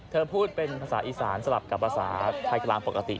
เธอพูดเป็นภาษาอีสานสลับกับภาษาไทยกลางปกติ